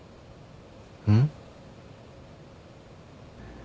うん？